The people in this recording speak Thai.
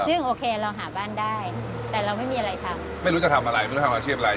ซึ่งโอเคเราหาบ้านได้แต่เราไม่มีอะไรทำไม่รู้จะทำอะไรไม่รู้ทำอาชีพอะไร